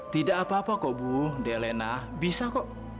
tidak apa apa kok bu delena bisa kok